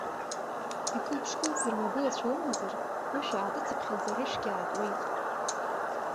Икылԥш-кылӡырҩуа агәылацәа умазар, ушә аатыцыԥхьаӡа рышәгьы аатуеит.